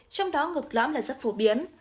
trong đó ngực lõm là rất phổ biến